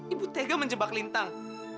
ibu tega menjebak lintang